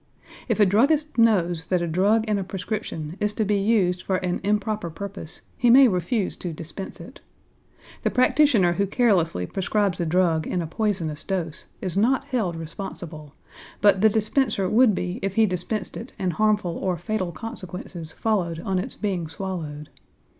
If a druggist knows that a drug in a prescription is to be used for an improper purpose, he may refuse to dispense it. The practitioner who carelessly prescribes a drug in a poisonous dose is not held responsible, but the dispenser would be if he dispensed it and harmful or fatal consequences followed on its being swallowed.